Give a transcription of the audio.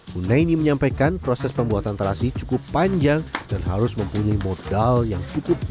hunaini menyampaikan proses pembuatan terasi cukup panjang dan harus mempunyai modal yang cukup